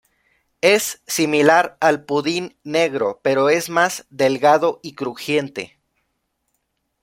Es similar al pudín negro, pero es más delgado y crujiente.